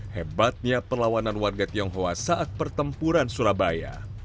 hebatnya perlawanan warga tionghoa saat pertempuran surabaya